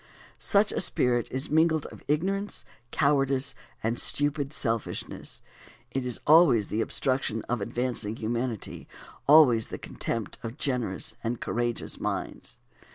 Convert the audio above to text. Such a spirit is mingled of ignorance, cowardice, and stupid selfishness. It is always the obstruction of advancing humanity, always the contempt of generous and courageous minds.